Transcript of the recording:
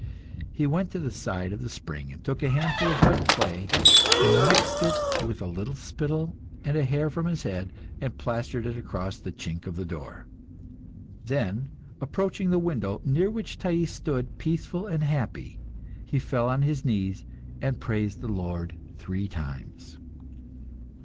He went to the side of the spring, and took a handful of wet clay, mixed with it a little spittle and a hair from his head, and plastered it across the chink of the door. Then, approaching the window, near which Thais stood peaceful and happy, he fell on his knees and praised the Lord three times.